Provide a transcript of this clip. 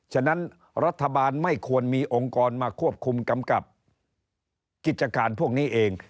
ฉะนั้นรัฐบาลไม่ควรมีองค์กรมาควบคุมกำกับกิจการพวกนี้เอง